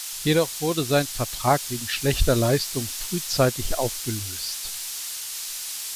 Jedoch wurde sein Vertrag wegen schlechter Leistung frühzeitig aufgelöst.